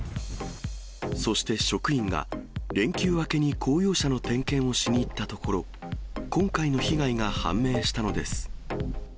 そして職員が、連休明けに公用車の点検をしに行ったところ、今回の被害が判明したのです。